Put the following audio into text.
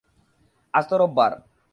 আজ তো রবিবার।